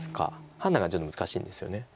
判断がちょっと難しいんですよね。